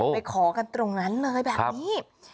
ไปขอกันตรงนั้นเลยแบบนี้